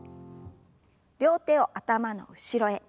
両手を頭の後ろへ。